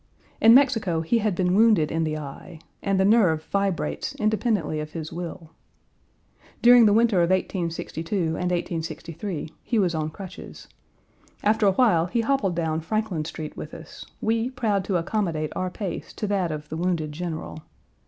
In Mexico he had been wounded in the eye, and the nerve vibrates independently of his will. During the winter of 1862 and 1863 he was on crutches. After a while he hobbled down Franklin Street with us, we proud to accommodate our pace to that of the wounded general.